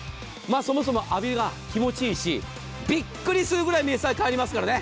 そもそも浴びが気持ちいいしびっくりするくらい明細が変わりますからね。